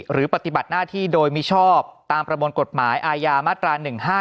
ปฏิบัติหน้าที่โดยมิชอบตามประมวลกฎหมายอาญามาตรา๑๕